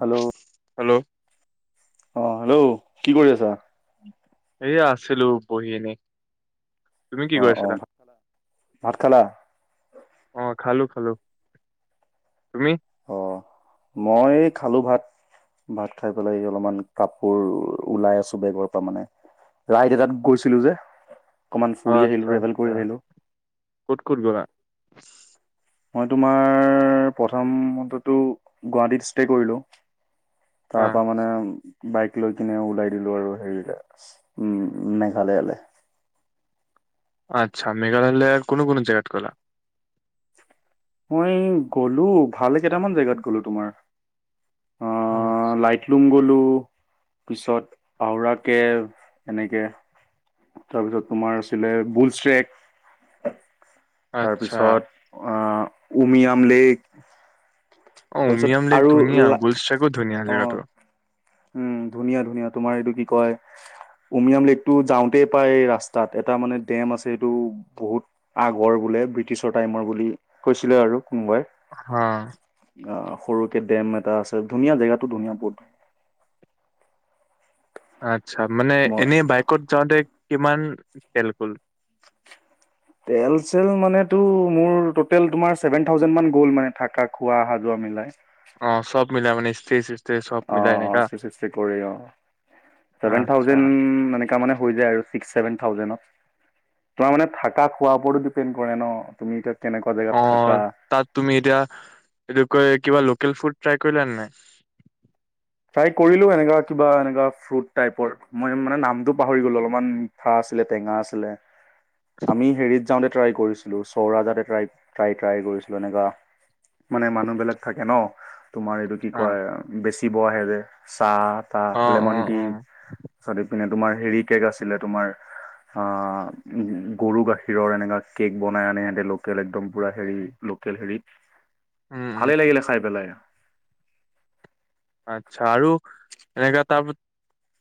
Hello hello অ hello কি কৰি আছা? এয়া আছিলোঁ বহি এনেই। তুমি কি অ অ কৰিছিলা? ভাত খালা? ভাত খালা অ খালোঁ খালোঁ, তুমি? অ' ম'ই খালোঁ ভাত। ভাত খাই পেলাই অলপমান কাপোৰ ওলাই আছোঁ বেগৰ পৰা মানে। ৰাইড এটাত গৈছিলোঁ যে। অকমান অ ফুৰি আচ্ছা আহিলোঁ,। ট্ৰেভেল আচ্ছা কৰি আহিলোঁ। ক'ত ক'ত গ'লা? মই তোমাৰ প্ৰথমটোতো, গুৱাহাটীত ষ্টে কৰিলোঁ। অ তাৰপা মানে বাইক লৈ কিনে ওলাই দিলোঁ আৰু হেৰি, উম মেঘালয়ালে। আচ্ছা মেঘালয়লে কোন কোনটো জেগাত গ'লা? মই গ'লো, ভালে কেইটামান জেগাত গ'লো তোমাৰ। উম, গ'লোঁ, পিছত, আউৰা কেফ, এনেকে। তাৰপিছত তোমাৰ আছিলে বুলচ ট্ৰেক। আচ্ছা তাৰপিছত, উমিয়াম লেক। অ', তাৰপিছত উমিয়াম লেক আৰু ধুনীয়া, লা- বুলচ ট্ৰেকো ধুনীয়া অ জেগাটো। উম, ধুনীয়া ধুনীয়া, তোমাৰ এইটো কি কয়? উমিয়াম লেকটো যাওঁতেই পাই ৰাস্তাত এটা মানে ডেম আছে এইটো বহুত আগৰ বোলে ব্ৰিটিছৰ টাইমৰ বুলি কৈছিলে আৰু। কোনোবাই হা অ', সৰুকে ডেম এটা আছে, ধুনীয়া জেগাটো ধুনীয়া বহুত। আচ্ছা, মানে মই এনেই বাইকত যাওঁতে কিমান তেল গ'ল? [inaudible] তেল চেল মানেটো মোৰ টোটেল ছেভেন থাউজেণ্ড মান গ'ল মানে থকা, খোৱা, আহা যোৱা মিলাই। অ', চব মিলাই মানে ষ্টে চব মিলাই অ', এনেকা ষ্টে ষ্টে কৰি অ', চেভেন আচ্ছা থাউজেণ্ড এনেকা মানে হৈ যায় আৰু ছিক্স, ছেভেন থাউজেণ্ডত। তোমাৰ মানে থাকা খোৱাৰ ওপৰতো ডিপেণ্ড কৰে ন' তুমি এতিয়া কেনেকুৱা জেগাত থাকা। অ', তাত তুমি এতিয়া এইটো কয় কিবা ল লোকেল ফুড ট্ৰাই কৰিলা নে নাই? ট্ৰাই কৰিলোঁ এনেকা কিবা এনেকুৱা ফ্ৰুট টাইপৰ মই মানে নামটো পাহৰি গ'লো অলপমান আ [unintelligible] টেঙা আছিলে, আমি হেৰিত যাওঁতে ট্ৰাই কৰিছিলোঁ, চৌৰা যাতোই ট্ৰাই ট্ৰাই ট্ৰাই কৰিছিলোঁ এনেকা মানে মানুহবিলাক থাকে ন'। তোমাৰ এইটো কি অ কয় বেচিব আহে যে চাহ অ তাহ অ লেমন টি অ। [unintelligible] নে তোমাৰ হেৰি কেক আছিলে তোমাৰ। অ', গৰু গাখীৰৰ এনেকা কেক বনাই আনে সিহঁতে লোকেল একদম পুৰা হেৰি ল' লোকেল হেৰি, উম উম ভালে লাগিলে খাই পেলাই। আচ্ছা আৰু এনেকা তাৰ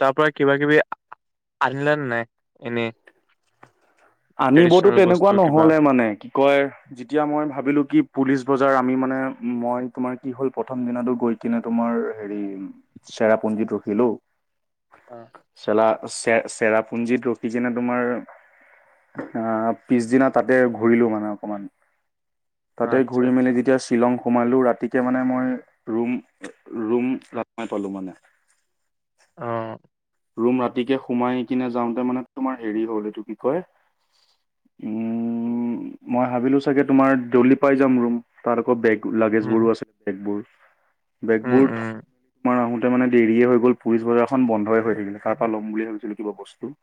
তাৰ পৰা কিবা কিবি আ [unintelligible] নাই এনে আনিবতো তেনেকুৱা নহলে মানে কি কয় যেতিয়া মই ভাবিলো কি পুলিচ বজাৰ আমি মানে মই তোমাৰ কি হ'ল প্ৰথম দিনো গৈ কিনে তোমাৰ হেৰি চেৰাপুঞ্জীত ৰখিলো। চেলা চে চেৰাপুঞ্জীত ৰখি কিনে তোমাৰ আ পিছদিনা তাতে ঘূৰিলো মানে অকমান তাতে আচ্ছা ঘূৰি মেলি আচ্ছা যেতিয়া শ্বিলং সোমালোঁ ৰাতিকে মানে মই ৰুম ৰুম লাট মাই পালো মানে। অ। ৰুম ৰাতিকে সোমাই কিনে যাওঁতে মানে তোমাৰ হেৰি হ'ল এইটো কি কয় উম মই ভাবিলো চাগে তোমাৰ দৌলি পাই যাম ৰুম তাত আক বেগ তো উম লাগেজবোৰো আছে বেগবোৰ। উম বেগবোৰ থ [unintelligible] উম আহোতে মানে দেৰিয়ে হৈ গ'ল পুলিচ বজাৰখন বন্ধই হয় [unintelligible] তাৰ পৰা ল'ম বুলি ভাবিছিলো কিবা বস্তু।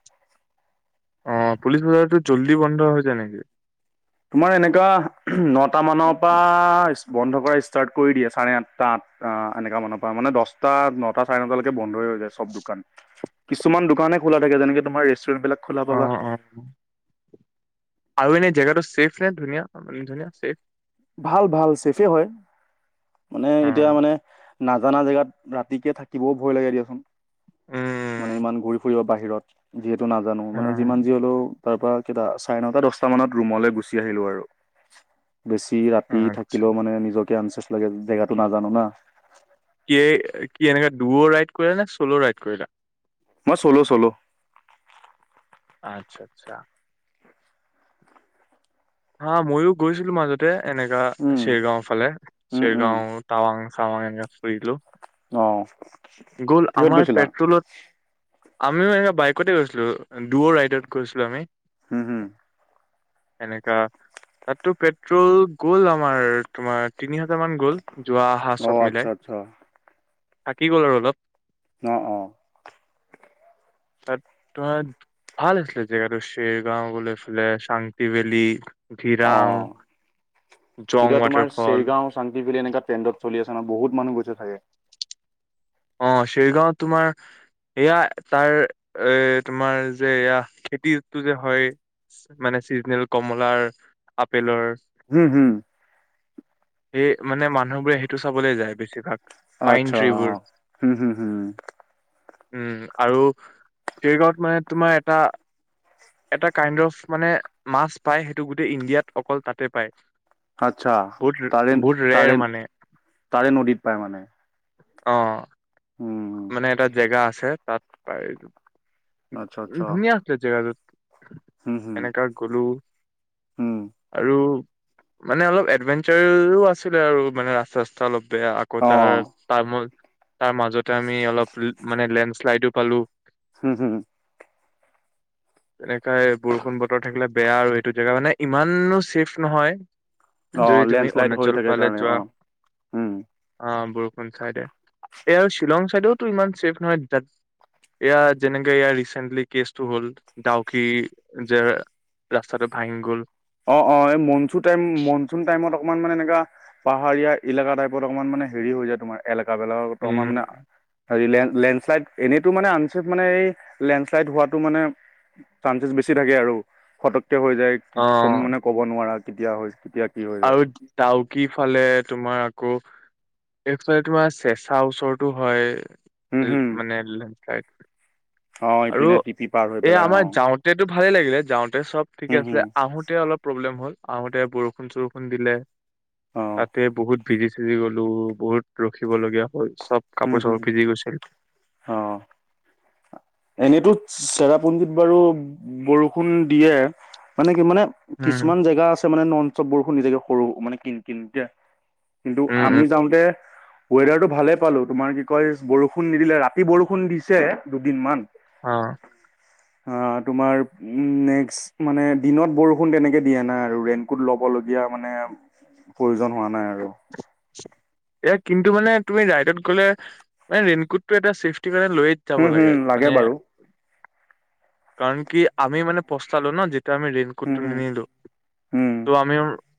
অ পুলিচ বজাৰটো জল্দি বন্ধ হৈ যায় নেকি? তোমাৰ এনেকুৱা নটা মানৰ পৰা ইচ বন্ধ কৰা ষ্টাৰ্ট কৰি দিয়ে চাৰে আঠটা আঠ। আ এনেকা মানৰ পৰা মানে দচটা নটা চাৰে নটালৈকে বন্ধয়ে হৈ যায় চব দোকান। কিছুমান দোকানে খোলা থাকে যেনেকে তোমাৰ ৰেষ্টুৰেণ্ট বিলাক খোলা অ পাবা অ আৰু এনে জেগাটো ছেফ নে ধুনীয়া ধুনীয়া ছেফ ভাল ভাল চেফে হয় মানে অ এতিয়া মানে নাজানা জেগাত ৰাতিকে থাকিবও ভয় লাগে দিয়াচোন মানে উম ইমান ঘূৰি ফুৰিব [unintelligible] বাহিৰত যিহেতু নাজানো অ মানে যিমান যি হ'লেও তাৰ পৰা কেইটা চাৰে নটা দশটা মানত ৰুমলৈ গুচি আহিলো আৰু বেছি ৰাতি আচ্ছা থাকিলেও মানে নিজকে আনচেফ লাগে জেগাটো নাজানো না কিয়ে কি এনেকা দুয়ো ৰাইড কইলা নে চল' ৰাইড কৰিলা মই চলো চলো আচ্ছা আচ্ছা হা ময়ো গৈছিলো মাজতে এনেকা উম শেৰগাঁও ফালে উম উম শেৰগাঁও টাৱাং চাৱাং এনেকা ফুৰিলো অহ গ'ল আমাৰ পেট্ৰলত আমিও এনে বাইকতে গৈছিলো দুৱ ৰাইডত গৈছিলো আমি হ হ এনেকা তাতটো পেট্ৰল গ'ল আমাৰ তোমাৰ তিনি হা [unintelligible] [unintelligible] মান গ'ল যোৱা অহা অ চব আচ্ছা মিলাই আচ্ছা থাকি গ'ল আৰু অলপ ন অ [unintelligible] তোমাৰ ভাল আছিলে জেগাটো শেৰগাঁও বুলি ইফালে শাংকি ভেলি অ জং এতিয়া তোমাৰ ৱাটাৰফল চেৰগাঁও চাংকিভেলী এনেকা [unintelligible] টেণ্ডত চলি আছে ন বহুত মানুহ গুচছে থাকে অ চেৰিগাঁৱত তোমাৰ এয়া তাৰ এ তোমাৰ যে এয়া খেতিটো যে হয় মানে চিজনেল কমলাৰ আপেলৰ স মানে মানুহবোৰে সেইটো চাবলৈ যায় বেছিভাগ পাইন আচ্ছা ট্ৰিবোৰ হম হম হম উম আৰু চৰিগাঁৱত মানে তোমাৰ এটা এটা কাইণ্ড অফ মানে মাছ পায় সেইটো গোটেই ইণ্ডিয়াত অকল তাতে পায় আচ্ছা বহুত তাৰে বহুত ৰেৰ মানে তাৰে নদীত পাই মানে অ উম মানে এটা জেগা আছে তাত আচ্ছা আচ্ছা ধুনীয়া আছিলে জেগাটো হুম হুম এনেকা গলো হুম আৰু মানে অলপ এডভেঞ্চাৰও আছিলে আৰু মানে ৰাস্তা ৰাস্তা অলপ য়া আকৌ অ ত তাৰ তাৰ মাজত আমি অলপ মানে লেণ্ড শ্লাইডো পালো হুম হুম তেনেকাই বৰষুণ বতৰ থাকিলে বেয়া আৰু এইটো জেগা মানে ইমানো চছেফ নহয় অ যদি তুমি লেণ্ডশ্লাইড হৈ অৰুণাচল থাকে ফালে কাৰণে যোৱা অ উম আহ চাইডে এই আৰু শ্বিলং চাইডেওো ইমান চছেফ নহয় তাত এয়াাৰ যেনেকে ইয়াৰ ৰিচেণ্টলি কেচটো হ'ল ডাউকি যে ৰাস্তাটো ভাঙি গ'ল অ অকণমান মানে এনেকা পাহাৰীয়া এলেকা টাইপত অকণমান মানে হেৰি হৈ যায় তোমাৰ এলেকা [unintelligible] উম হ লেণ্ডশ্লাইড এনেতটো মানে আনচেফ মানে এই লেণ্ডছ্লাইড হোৱাটো মানে চানসেচ বেছি থাকে আৰু ফতককে হৈ যায় অ কমি মানে ক'ব নোৱাৰা কেতিয়া হৈ কেতিয়া কি যায় আৰু ডাউক ফালে তোমাৰ আকৌ এইফালে তোমাৰ চেচা ওচৰতৰতটো হয় মানোই অপিনে টিপি প এ আমাৰ যাওঁতেতো ভালেই লাগিলে যাওঁতে চব ঠিকে হুম, আছিলে হুম, আহোতে অলপ প্ৰব্লেম হ'ল আহোঁতে বৰষুণ- চৰষুণ দিলে অ', তাতে বহুত ভিজি-চিজি গ'লো বহুত ৰখিবলগীয়া হ'ল চব হুম, কাপোৰ- হুম, চাপোৰ ভিজি গৈছিল। অ', এনেতো চেৰাপুঞ্জীিত বাৰু বৰষুণ দিয়ে মানে কি মানে উম কিছুমান জেগা আছে মানে ন'ন ষ্টপ বৰষুণ দি থাকে সৰু মানে কিন-কিন কে। কিন্তু উম আমি উম যাওঁতে ৱেডাৰটো ভালে পালো তোমাৰ কি কয় বৰষুণ নিদিলে ৰাতি বৰষুণ দিছে দুদিনমান। অ', অ, তোমাৰ উম, নেক্স মানে দিনত বৰষুণ তেনেকে দিয়া নাই আৰু ৰেইন কোট ল'ব লগীয়া [unintelligible] মানে প্ৰয়োজন হোৱা নাই আৰু। এ কিন্তু মানে তুমি ৰাইডত গ'লে মানে ৰেইনকোটটো এটা চেফ কিবা এটা লৈয়েই যাব হুম, লাগে! হুম, মানে বাৰু, কাৰণ কি, আমি মানে পস্তালো ন' যে এতিয়া আমি ৰেইন হুম, কোটটো হুম, নিনিলো! হুম। ত' আমি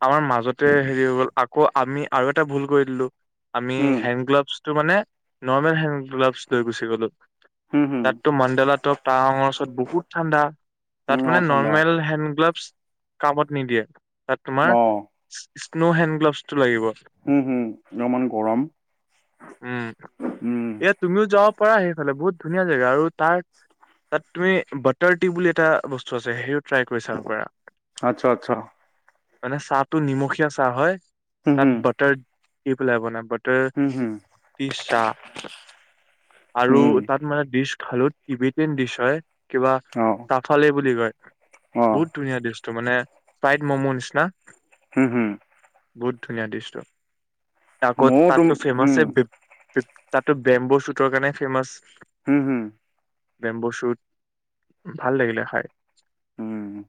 আমাৰ মাজতে হেৰি হৈ গ'ল, আকৌ আমি আৰু এটা ভুল কৰি দিলোঁ, আমি উম, হেণ্ড গ্লাভছ টো মানে নৰ্মেল হেণ্ড গ্লাভছ লৈ গুচি গ'লো। হুম, হুম, তাতটো মাণ্ডলাতটো টাৱাঙৰ ওচৰত বহুত ঠাণ্ডা। তাত উম, মানে অ', ঠাণ্ডা নৰ্মেল হেণ্ড গ্লাভছ কামত নিদিয়ে! তাত তোমাৰ অ', স্ন' হেণ্ড গ্লাভছটো লাগিব। উম, উম, [unintelligible] গৰম উম, উম। পৰা সেইফালে বহুত ধুনীয়া জেগা আৰু তাৰ তাত তুমি বাটাৰ টিউব বুলি এটা বস্তু আছে, সেই ট্ৰাই কৰি চাব পাৰা, আচ্ছা, আচ্ছা, মানে চাহটো নিমখীয়া চাহ হয়। হম, তাত হম। [unintelligible] পেলাই আপোনাৰ [unintelligible] তাৰ [unintelligible] আৰু উম, তাত মানে ডিছ খালোঁ টিভি [unintelligible] ডিছ হয় কিবা অ', [unintelligible] বুলি কয়। অ', বহুত ধুনীয়া ডিছটো মানে ফ্ৰাইড মোমো নিছিনা। হম, হম। বহুত ধুনীয়া ডিছটো। আকৌ ময়ো তুম তাতটো উম, ফেমাচে [unintelligible] তাতটো বেম্বো শ্বুটৰ কাৰণে ফেমাচ। হম, হম। বেম্বো শ্বুট, ভাল লাগিলে খায়। উম।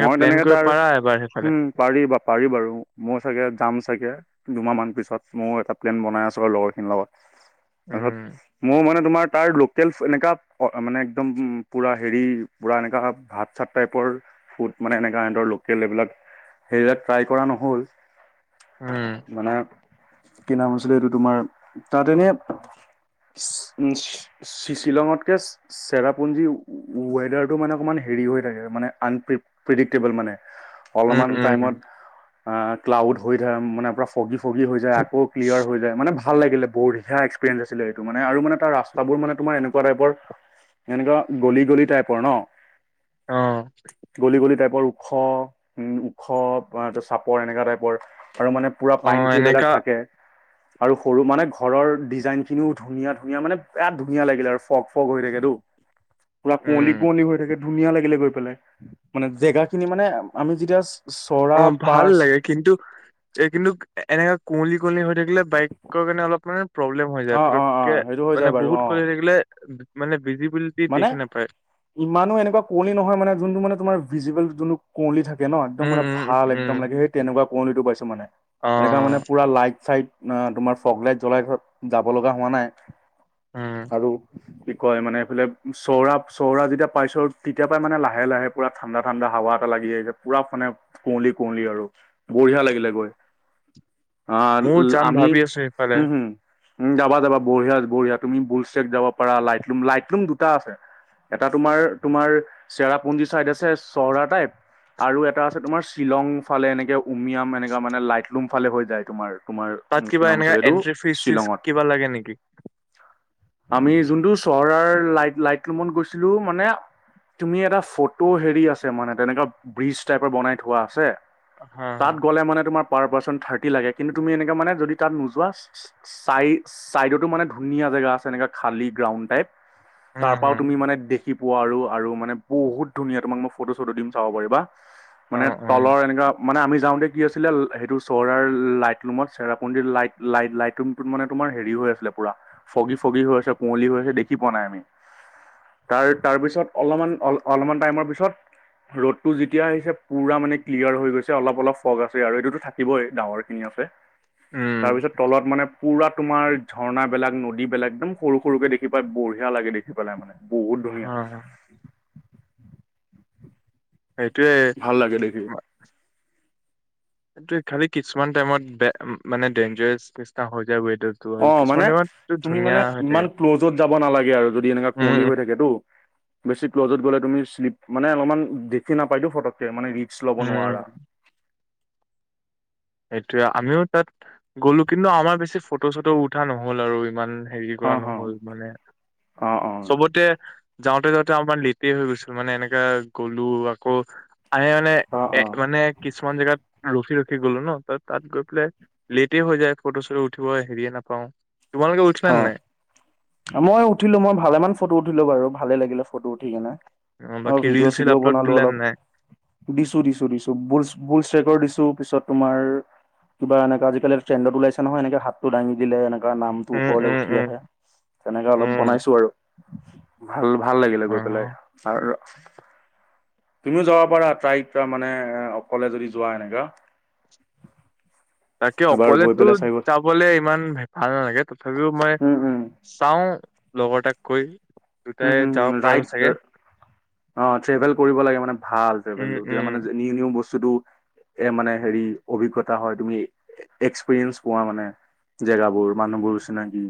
মই প্লেন তেনেকে কৰিব তাৰ, পাৰা এবাৰ সেইফালে উম পাৰিবা পাৰি বাৰু, মই চাগে যাম চাগে, দুমাহ মান পিছত মই এটা প্লেন বনাই আছোঁ আৰু লগৰখিনিৰ লগত। তাৰপিছত, উম মোৰ মানে তোমাৰ তাৰ লোকেলছ এনেকা, মানে একদম, পুৰা হেৰি, পুৰা এনেকা ভাত চাত টাইপৰ, ফুড মানে এনেকা সিহঁতৰ লোকেল এইবিলাক সেইবিলাক ট্ৰাই কৰা নহ'ল, উম মানে কি নাম আছিলে এইটো তোমাৰ, তাত এনে [unintelligible] শ্বিলঙতকে চেৰাপুঞ্জীৰ ৱেডাৰটো, মানে অকমান হেৰি হৈ থাকে মানে আন প্ৰি প্ৰিডিক্টেবল মানে। উম অলপমান উম টাইমত, ক্লাউড হৈ থাকে মানে ফগি ফগী হৈ যায় আকৌ ক্লিয়াৰ হৈ যায়, মানে ভা ভাল লাগিলে বট শিকা এক্সপেৰিয়ঞ্চ আছিলে এইটো মানে আৰু মানে তাৰ ৰাস্তাবোৰ মানে তোমাৰ এনেকুৱা টাইপৰ এনেকুৱা গলি গলি টাইপৰ ন'। অ', বৰ ওখ, উম ওখ, চাপৰ এনেকা টাইপৰ। আৰু মানে পুৰা অ পাইন থ্ৰী বিলাক এনেকা থাকে। আৰু সৰু মানে ঘৰৰ ডিজাইন খিনিও ধুনীয়া ধুনীয়া মানে বিৰাট ধুনীয়া লাগিলে আৰু ফগ ফগ হৈ থাকেতো একপ [unintelligible] পুৰা কুঁৱলী উম কুঁৱলী হৈ থাকে ধুনীয়া লাগিলে গৈ পেলাই মানে জেগা খিনি মানে আমি যেতিয়া চৰা অ', ভাল পাৰ্চ লাগে কিন্তু এই কিন্তু এনেকা কুঁৱলী কল হৈ থাকিলে বাইকৰ কাৰণে অলপ মানে প্ৰব্লেম হৈ যায় অ অ অ পতককে সেইটো হৈ মানে যায় বাৰু বহুত অ গ'ল হৈ থাকিলে মানে ভিজিবিলিটি মানে দেখি নাপায় ইমানো এনেকুৱা কুঁৱলী নহয় মানে যোনটো মানে তোমাৰ ভিজিবল যোনটো কুঁৱলী থাকে ন' একদম উম মানে উম উম ভাল একদম উম লাগে সেই তেনেকুৱা কুঁৱলীটো পাইছো মানে অ অ এনেকুৱ মানে পুৰা লাইট চাইট অ', তোমাৰ ফগ লাইট জ্বলাই যাব লগা হোৱা নাই উম আৰু কি কয় মানে এইফালে চৌৰা চৌৰা যেতিয়া পাইছো তেতিয়া পই মানে লাহে লাহে পৰা ঠাণ্ডা ঠাণ্ডা হাৱা এটা লাগি আহিছে পুৰা মানে কুঁৱলি কুঁৱলি আৰু বঢ়িয়া লাগিলে গৈ। ময়ো অ', যাম আমি, ভাবি আছো সেইফালে হম হম। উ যাবা যাবা বঢ়িয়া বঢ়িয়া তুমি বুলছেক যাব পাৰা লাইটলুম লাইটলুম দুটা আছে এটা তোমাৰ তোমাৰ চেৰাপুঞ্জী চাইদ আছে চহৰা টাইপ আৰু এটা আছে তোমাৰ শ্বিলং ফালে এনেকে উমিয়াম এনেকা মানে লাইটলুম ফালে হৈ যায় তোমাৰ। তোমাৰ তাত কি কিবা নাম এনেকা আছিলে এইটো এন্ট্ৰি ফিজ চিজ শ্বিলঙত? কিবা লাগে নেকি আমি যোনটো চহৰৰ লাইট লাইট ৰুমত গৈছিলো মানে তুমি এটা ফটো হেৰি আছে মানে তেনেকুৱা ব্ৰিজ টাইপৰ বনাই থোৱা আছে হা হা তাত গ'লে মানে তোমাৰ প পাৰ্চ থাৰ্ৰটি লাগে কিন্তু তুমি এনে মানে যদি তাত নোযোৱা চ চাইডতো মানে ধুন জেগা আছে এনেকুৱা খালী গ্ৰাউণ্ড টাইপ। উম তাৰ পৰাও হম তুমি মানে দেখি পোৱা আৰু মানে বহুত ধুনীয়া তোমাক মই ফটো-চটো দিম চাব পাৰিবা। অ মানে অ তলৰ এনেকুৱা মানে আমি যাওঁতে দি আছিলে সেইটো চহৰাৰ লাইট ৰুমত চেৰাপুঞ্জীৰ লাইট লাইট লাইট ৰুমতো মানে তোমাৰ হেৰি হৈ আছিলে। পুৰা ফগী ফগী হৈ আছে কুঁৱলী হৈ আছে দেখি পোৱা নাই আমি তাৰ তাৰপিছত অলপমান অ', অলপমান টাইমৰ পিছত ৰ'দতটো যেতিয়া আহিছে পুৰা মানে ক্লিয়াৰ হৈ গৈছে অলপ অলপ ফগ আছে আৰু এইটোতো থাকিবই ডাঙৰ খিনি আৰু উম তাৰপিছত তলত মানে পুৰা তোমাৰ ঝৰ্ণা বিলাক, নদী বিলাক একদম সৰু সৰুকে দেখি পাই বঢ়িয়া লাগে দেখি পেলাই মানে। বহুত ধুনীয়া। হা হা সেইটোয়ে ভাল লাগে দেখি। এইটোৱে খালি কিছুমান টাইমত মানে ডেঞ্জাৰাছ নিচিনা হৈ যায়। ৱেডাৰটো আৰু অ', কিছুমান মানে টাইমত তুমি ধুনীয়া মানে হৈ ইমান থাকে ক্ল'জত যাব নালাগে আৰু যদি এনেকুৱা উম কুঁৱলী হৈ উম থাকেতো। বেছি ক্লজত গ'লে তুমি শ্লিপ মানে অলপমান দেখি নাপায়তো ফটককে মানে ৰিচক ল'ব উম, নোৱাৰা। সেইটোৱে আমিও তাত গ'লো, কিন্তু আমাৰ বেছি ফটো-চটো উঠা নহ'ল আৰু ইমান। হেৰি অ কৰা হ নহ'ল মানে অ অ চবতে যাওঁতে যাওঁতে অকণমান লেটে হৈ গৈছিলোঁ মানে এনেকা গলোঁ আকৌ আহি মানে অ এ মানে কিছুমান জেগাত ৰখি-ৰখি গলো ন'? তাত গৈ পেলাই লেটে হৈ যায় ফটো-চটো উঠিব হেৰিয়ে নাপাওঁ। তোমালোকে উঠিলা নে অ', নাই মই উঠিলোঁ, মই ভালে মান ফটো উঠিলোঁ বাৰু ভালে লাগিলে ফটো উঠি কিনে। অ', বাকী ৰিল চিল ভিডিঅ-চিডিঅ আপলোড বনালো দিলা নে অলপ। নাই দিছোঁ দিছোঁ দিছোঁ, বুলচ ট্ৰেকৰ দিছোঁ পিছত তোমাৰ কিবা এনেকা আজিকালি ট্ৰেণ্ডত ওলাইছে নহয়, এনেকে হাতটো দাঙি দিলে এনেকে নাম উম ওপৰলৈ উম উঠি উম আহে তেনেকে অলপ উম বনাইছোঁ আৰু। ভাল ভাল লাগিলে অ গৈ পেলাই আৰু তুমিও যাব পাৰা ট্ৰাই মানে অকলে যদি যোৱা এনেকা। তাকে এবাৰ গৈ অকলেতো পেলাই চাই যাবলে ইমান ভাল নালাগে তথাপিও মই উম উম উম চাওঁ লগৰ তাক কৈ হম দুটাই যাব হম পাৰো ৰাইট চাগে। অ ট্ৰেভেল কৰিব লাগে। মানে ভাল উম ট্ৰেভেলটো তেতিয়া উম মানে নিউ নিউ বস্তুটো এ মানে হেৰি অভিজ্ঞতা হয় তুমি এক্সপিৰিয়েঞ্চ পোৱা মানে। জেগাবোৰ মানুহবোৰ চিনাকি।